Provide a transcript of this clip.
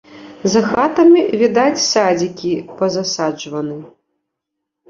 За хатамі відаць садзікі пазасаджваны.